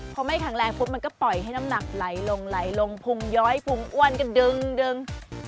พอไม่แข็งแรงปุ๊บมันก็ปล่อยให้น้ำหนักไหลลงไหลลงพุงย้อยพุงอ้วนก็ดึง